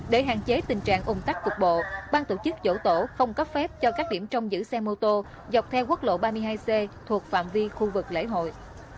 để hạn chế tình trạng ủng tắc cục bộ bang tổ chức dỗ tổ không cấp phép cho các điểm trong giữ xe mô tô dọc theo quốc lộ ba mươi hai c thuộc phạm vi khu vực lễ hội